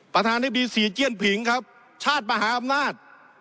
ประธานธิบดีศรีเจี้ยนผิงครับชาติมหาอำนาจ